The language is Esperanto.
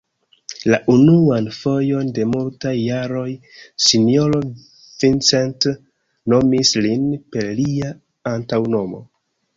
La unuan fojon de multaj jaroj sinjoro Vincent nomis lin per lia antaŭnomo.